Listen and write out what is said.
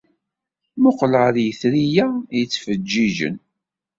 Mmuqqel ɣer yitri-a yettfeǧǧiǧen.